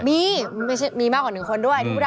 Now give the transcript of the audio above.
มีมีมากกว่าหนึ่งคนด้วย